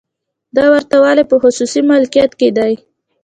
دا ورته والی په خصوصي مالکیت کې دی.